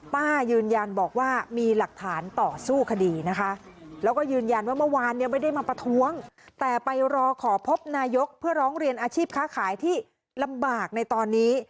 ป้ายืนยันบอกว่ามีหลักฐานต่อสู้คดีนะคะแล้วก็ยืนยันว่าเมื่อวานเนี่ยไม่ได้มาประท้วงแต่ไปรอขอพบนายกเพื่อร้องเรียนอาชีพค้าขายที่ลำบากในตอนนี้